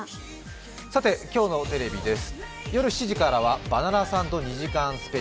さて今日のテレビです。